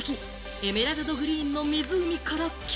エメラルドグリーンの湖から木？